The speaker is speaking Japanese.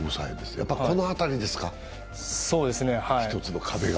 やっぱりこの辺りですか、一つの壁は？